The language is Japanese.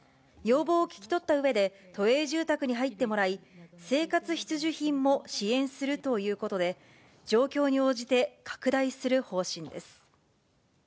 要望を聞き取ったうえで、都営住宅に入ってもらい、生活必需品も支援するということで、状況に応じて拡大する方針です。